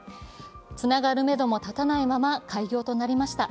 つながるめども立たないまま開業となりました。